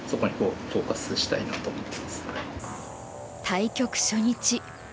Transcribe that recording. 対局初日。